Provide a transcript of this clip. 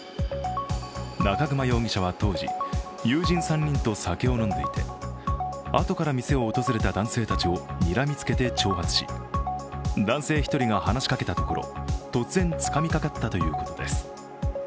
中熊容疑者は当時、友人３人と酒を飲んでいて、後から店を訪れた男性たちをにらみつけて挑発し、男性１人が話しかけたところ、突然つかみかかったということです。